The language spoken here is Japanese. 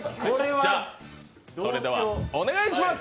それでは、お願いします！